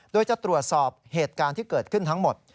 โดยจะตรวจสอบเหตุการณ์ที่เกิดขึ้นทั้งหมด